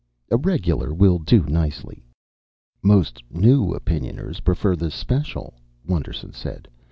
"A Regular will do nicely." "Most new Opinioners prefer the Special," Wonderson said.